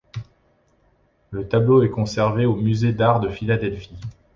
Le tableau est conservé au musée d'art de Philadelphie.